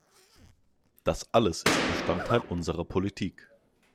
Das alles ist Bestandteil unserer Politik.